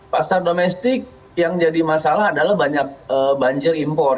pasar domestik yang jadi masalah adalah banyak banjir impor